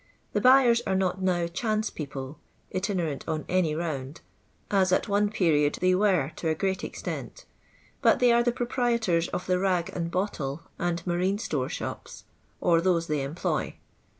The buyers are not now chance people, itincmnt on any round, as at one period they were to a great extent, but they are the proprietors of the rag and bottle and marine store shops, or those they employ.